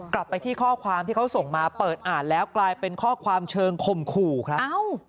กลับไปที่ข้อความที่เขาส่งมาเปิดอ่านแล้วกลายเป็นข้อความเชิงข่มขู่ครับ